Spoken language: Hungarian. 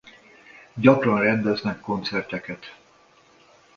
Gyakran rendeznek koncerteket.